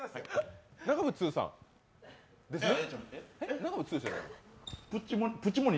長渕剛さん？ですね。